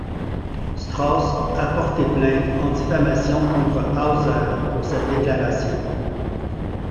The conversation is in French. Strauß a porté plainte en diffamation contre Hauser pour cette déclaration.